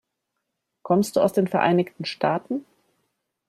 Kommst du aus den Vereinigten Staaten?